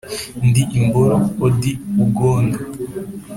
ndi imboro odi bugondo :